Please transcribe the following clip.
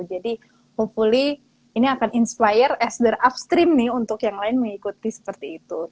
jadi hopefully ini akan inspire as their upstream nih untuk yang lain mengikuti seperti itu